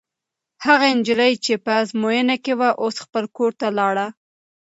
هغه نجلۍ چې په ازموینه کې وه، اوس خپل کور ته لاړه.